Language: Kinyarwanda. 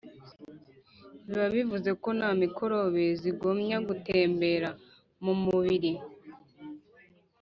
biba bivuze ko na mikorobe zigomya gutembera mu mubiri